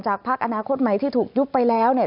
พักอนาคตใหม่ที่ถูกยุบไปแล้วเนี่ย